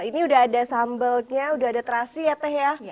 ini udah ada sambalnya udah ada terasi ya teh ya